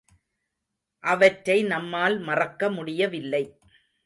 அவற்றை நம்மால் மறக்க முடியவில்லை.